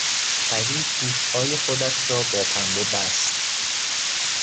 پری گوشهای خودش را با پنبه بست.